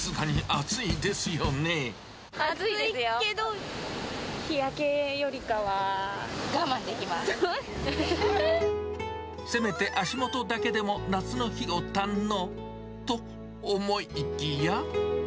暑いけど、せめて足元だけでも夏の日を堪能、と思いきや。